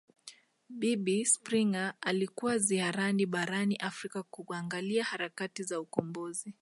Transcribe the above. Bibi Springer alikuwa ziarani barani Afrika kuangalia harakati za ukombozi